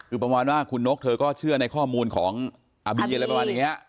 คือประมาณว่าคุณนกเธอก็เชื่อในข้อมูลของอาบีอะไรประมาณอย่างนี้